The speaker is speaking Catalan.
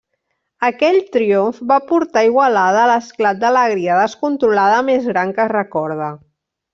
Aquell triomf va portar Igualada a l'esclat d'alegria descontrolada més gran que es recorda.